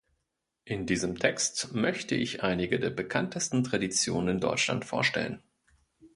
In diesem Text möchte ich einige der bekanntesten Traditionen in Deutschland vorstellen.